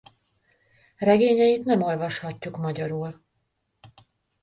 Regényeit nem olvashatjuk magyarul.